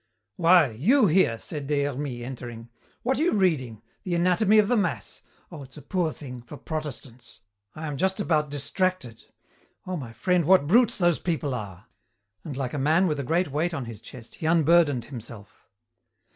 "Why! You here?" said Des Hermies, entering. "What are you reading? The anatomy of the mass? Oh, it's a poor thing, for Protestants. I am just about distracted. Oh, my friend, what brutes those people are," and like a man with a great weight on his chest he unburdened himself.